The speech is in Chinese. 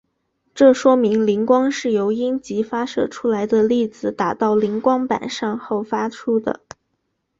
这说明磷光是由阴极发射出来的粒子打到磷光板上后发出的。